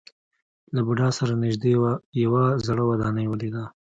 له بودا سره نژدې یوه زړه ودانۍ ولیده.